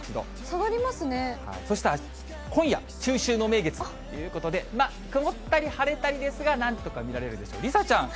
そして、今夜、中秋の名月ということで、曇ったり晴れたりですが、なんとか見られるでしょう。